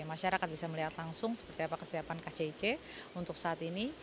masyarakat bisa melihat langsung seperti apa kesiapan kcic untuk saat ini